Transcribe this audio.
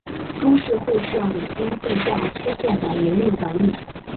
株式会社舞滨度假区线的营运管理。